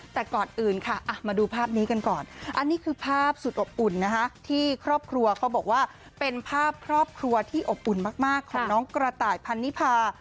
แต่ก่อนอื่นค่ะมาดูภาพนี้กันก่อนอันนี้คือภาพสุดอบอุ่นนะคะที่ครอบครัวเขาบอกว่าเป็นภาพครอบครัวที่อบอุ่นมากของน้องกระต่ายพันนิพา